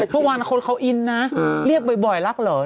คนเขาอินนะเรียกบ่อยรักเหรอ